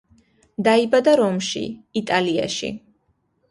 დაიბადა რომში, იტალიაში.